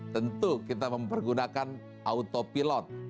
tentu kita mempergunakan autopilot